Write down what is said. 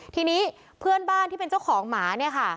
ทีนี้เพื่อนบ้านที่เป็นเจ้าของหมาเนี่ยค่ะ